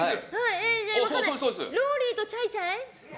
分かんない、ローリーとチャイチャイ？